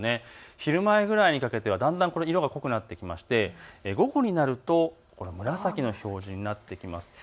昼前ぐらいにかけてはだんだん色が濃くなって、午後になると、紫の表示になってきます。